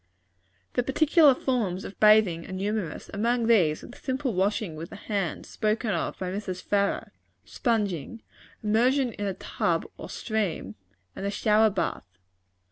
The particular forms of bathing are numerous. Among these, are the simple washing with the hand, spoken of by Mrs. Farrar; sponging; immersion in a tub or stream; and the shower bath.